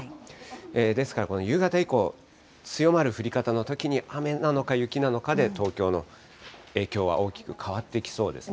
ですから、これ夕方以降、強まる降り方のときに、雨なのか、雪なのかで東京の影響は大きく変わってきそうですね。